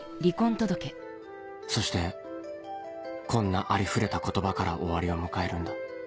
そしてこんなありふれた言葉から終わりを迎えるんだ